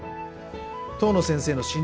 遠野先生の診断